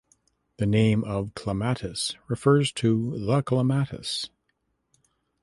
The name of Clematis refers to the clematis.